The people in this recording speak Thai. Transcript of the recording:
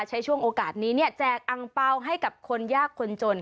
ช่วงโอกาสนี้เนี่ยแจกอังเปล่าให้กับคนยากคนจน